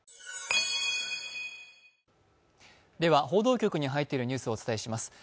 報道局に入っているニュースをお伝えします。